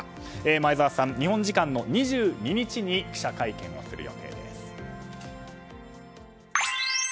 前澤さん、日本時間の２２日に記者会見をする予定です。